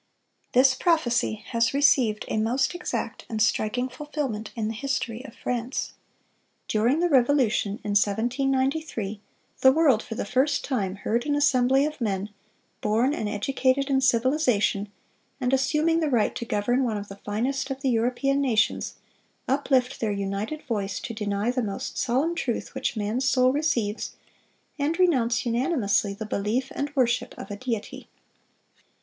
This prophecy has received a most exact and striking fulfilment in the history of France. During the Revolution, in 1793, "the world for the first time heard an assembly of men, born and educated in civilization, and assuming the right to govern one of the finest of the European nations, uplift their united voice to deny the most solemn truth which man's soul receives, and renounce unanimously the belief and worship of a Deity."